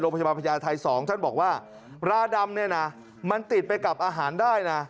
โรคประชาปัญญาไทย๒ท่านบอกว่าร้าดำมันติดไปกับอาหารได้